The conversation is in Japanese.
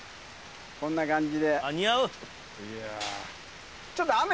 こんな感じで。